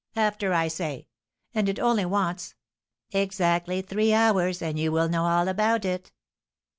After, I say! And it only wants " "Exactly three hours, and you will know all about it!"